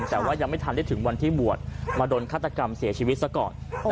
แต่ว่ายังไม่ทันได้ถึงวันที่บวชมาโดนฆาตกรรมเสียชีวิตซะก่อน